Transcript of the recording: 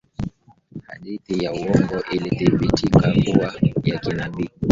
hadithi ya uwongo ilithibitika kuwa ya kinabii